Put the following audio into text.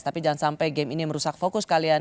tapi jangan sampai game ini merusak fokus kalian